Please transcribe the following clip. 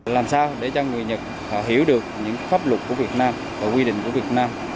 làm sao để cho người nhật họ hiểu được những pháp luật của việt nam và quy định của việt nam